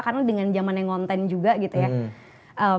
karena lo dengan jamannya ngonten juga gitu ya